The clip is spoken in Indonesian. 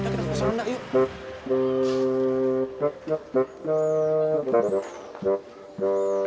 kita ke pos ronda yuk